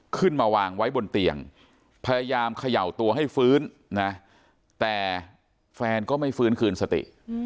ขึ้นมาวางไว้บนเตียงพยายามเขย่าตัวให้ฟื้นนะแต่แฟนก็ไม่ฟื้นคืนสติ